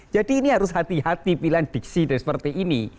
jadi ini harus hati hati pilihan diksi seperti ini